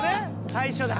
最初だ。